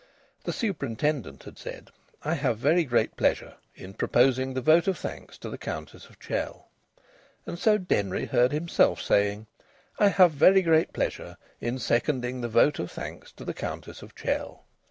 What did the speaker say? The Superintendent had said: "I have very great pleasure in proposing the vote of thanks to the Countess of Chell." And so Denry heard himself saying: "I have very great pleasure in seconding the vote of thanks to the Countess of Chell."